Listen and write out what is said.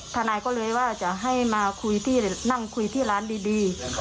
ทนายก็เลยว่าจะให้มาคุยที่นั่งคุยที่ร้านดี